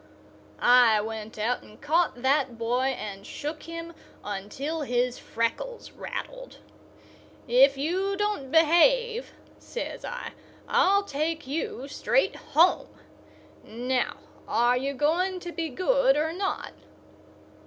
I went out and caught that boy and shook him until his freckles rattled. "If you don't behave," says I, "I'll take you straight home. Now, are you going to be good, or not?"